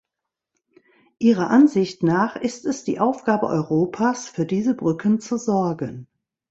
Ihrer Ansicht nach ist es die Aufgabe Europas, für diese Brücken zu sorgen.